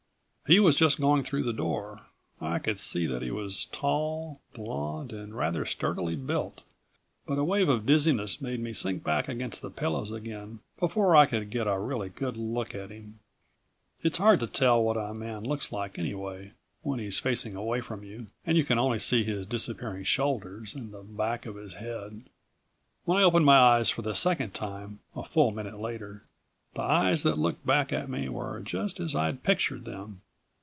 He was just going through the door. I could see that he was tall, blond and rather sturdily built, but a wave of dizziness made me sink back against the pillows again before I could get a really good look at him. It's hard to tell what a man looks like anyway, when he's facing away from you, and you can only see his disappearing shoulders and the back of his head. When I opened my eyes for the second time, a full minute later, the eyes that looked back at me were just as I'd pictured them.